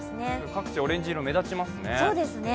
各地オレンジ色目立ちますね。